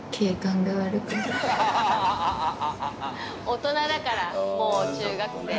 大人だからもう中学生。